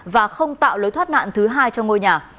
và không tạo lối thoát nạn thứ hai cho ngôi nhà